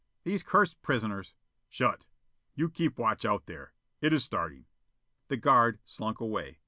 These cursed prisoners " "Shut! You keep watch out there. It is starting." The guard slunk away.